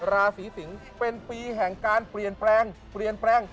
ราศีสิงเป็นปีแห่งการเปลี่ยนแปลง